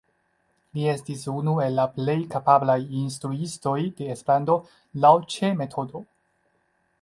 Li estis unu el la plej kapablaj instruistoj de Esperanto laŭ Cseh-metodo.